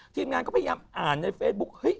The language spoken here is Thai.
ทีมงานก็พยายามอ่านในเฟซบุ๊กเฮ้ย